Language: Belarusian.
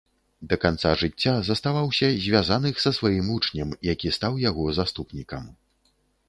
Да канца жыцця заставаўся звязаных са сваім вучнем, які стаў яго заступнікам.